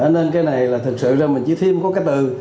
nên cái này là thật sự là mình chỉ thêm có cái từ